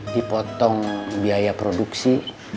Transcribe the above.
dipotong biaya produksi